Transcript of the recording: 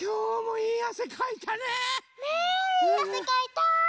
いいあせかいた。